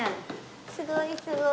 すごいすごい。